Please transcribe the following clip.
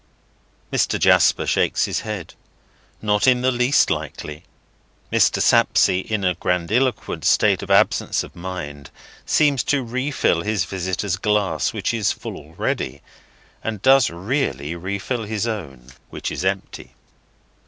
Mr. Jasper shakes his head. Not in the least likely. Mr. Sapsea, in a grandiloquent state of absence of mind, seems to refill his visitor's glass, which is full already; and does really refill his own, which is empty.